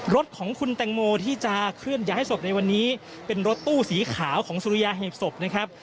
รถของคุณแตงโมที่จะเคลื่อนย้ายศพในวันนี้เป็นรถตู้สีขาวของสุริยาหีบศพนะครับ